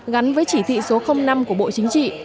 gắn với chỉ thị số năm của bộ chính trị